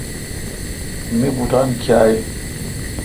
می بوٹان کاں این۔